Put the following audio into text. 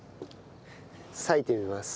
さいてみます。